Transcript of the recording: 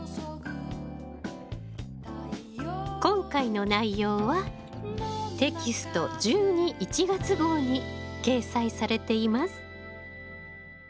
今回の内容はテキスト１２・１月号に掲載されています。